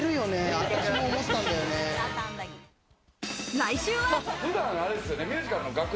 来週は。